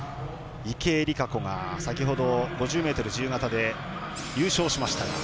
池江璃花子が先ほど５０ｍ自由形で優勝しましたが